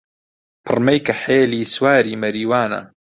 پڕمەی کەحێلی سواری مەریوانە